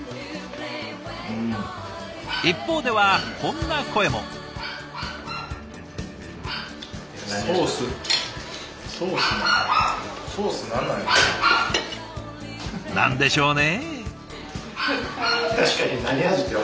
一方ではこんな声も。何でしょうね？